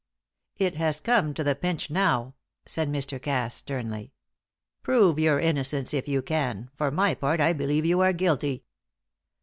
"It has come to the pinch now," said Mr. Cass, sternly. "Prove your innocence, if you can for my part I believe you are guilty."